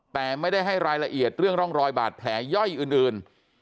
แต่ไม่ได้ให้รายละเอียดเรื่องร่องรอยบาดแผลย่อยอื่น